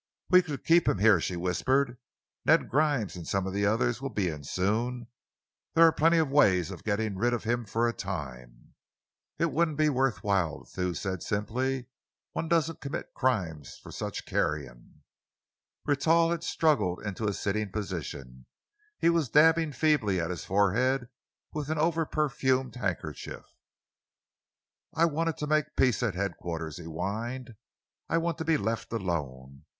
"We could keep him here," she whispered. "Ned Grimes and some of the others will be in soon. There are plenty of ways of getting rid of him for a time." "It wouldn't be worth while," Thew said simply. "One doesn't commit crimes for such carrion." Rentoul had struggled into a sitting posture. He was dabbing feebly at his forehead with an overperfumed handkerchief. "I wanted to make peace at Headquarters," he whined. "I want to be left alone.